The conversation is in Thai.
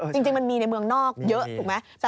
จริงมันมีในเมืองนอกเยอะถูกไหม